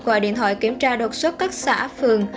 gọi điện thoại kiểm tra đột xuất các xã phường